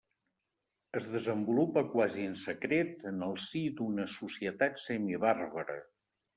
Es desenvolupa quasi en secret en el si d'una societat semibàrbara.